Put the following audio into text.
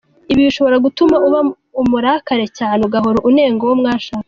Ibi bishobora gutuma uba umurakare cyangwa ugahora unenga uwo mwashakanye.